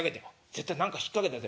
「絶対何か引っ掛けてる」。